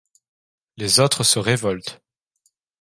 Les autres se révoltent.